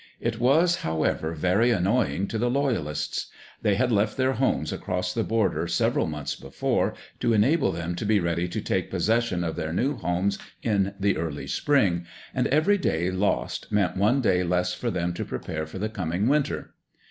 It was, however, very annoying to the Loyalists. They had left their homes across the border several months before, to enable them to be ready to take possession of their new homes in the early spring, and every day lost meant one day less for them to prepare for the coming winter.